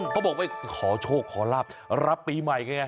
เขาบอกว่าขอโชคขอรับรับปีใหม่ไง